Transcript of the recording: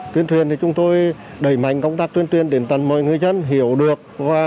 tuyên truyền thì chúng tôi đẩy mạnh công tác tuyên truyền đến tận mọi người dân hiểu được